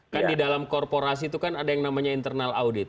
kan di dalam korporasi itu kan ada yang namanya internal audit